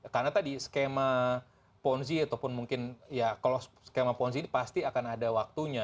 karena tadi skema ponzi ataupun mungkin ya kalau skema ponzi ini pasti akan ada waktunya